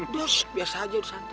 duh biasa aja